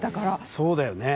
そうだよね。